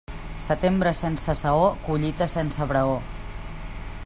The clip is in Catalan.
Setembre sense saó, collita sense braó.